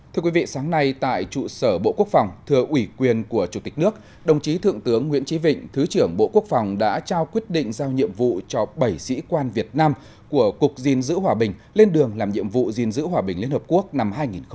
thưa quý vị sáng nay tại trụ sở bộ quốc phòng thừa ủy quyền của chủ tịch nước đồng chí thượng tướng nguyễn trí vịnh thứ trưởng bộ quốc phòng đã trao quyết định giao nhiệm vụ cho bảy sĩ quan việt nam của cục diên giữ hòa bình lên đường làm nhiệm vụ gìn giữ hòa bình liên hợp quốc năm hai nghìn một mươi chín